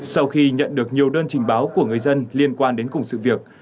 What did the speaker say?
sau khi nhận được nhiều đơn trình báo của người dân liên quan đến cùng sự việc